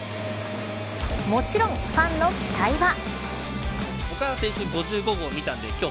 もちろんファンの期待は。